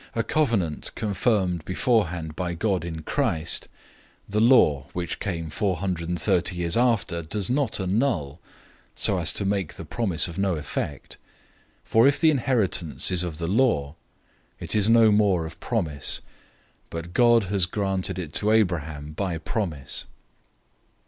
A covenant confirmed beforehand by God in Christ, the law, which came four hundred thirty years after, does not annul, so as to make the promise of no effect. 003:018 For if the inheritance is of the law, it is no more of promise; but God has granted it to Abraham by promise.